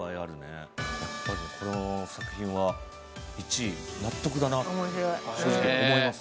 この作品は１位納得だな、正直思います。